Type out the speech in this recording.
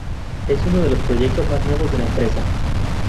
Es uno de los proyectos más nuevos de la empresa.